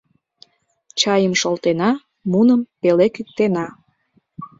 Чайым шолтена, муным пеле кӱктена.